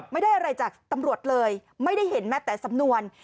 ไม่ได้อะไรจากตำรวจเลยไม่ได้เห็นแม้แต่สำนวน